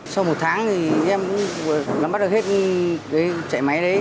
sau một tháng thì em cũng bắt được hết chạy máy đấy